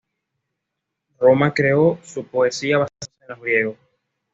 Roma creó su poesía basándose en los griegos.